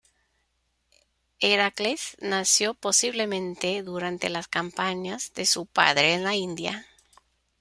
Heracles nació posiblemente durante las campañas de su padre en la India.